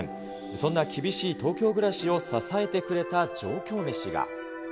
そんな厳しい東京暮らしを支えてくれた上京メシが。